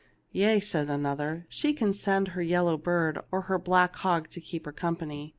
" Yea/' said another ;" she can send her yel low bird or her black hog to keep her company.